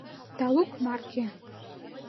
талук марке